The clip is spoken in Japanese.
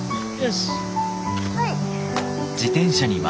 はい。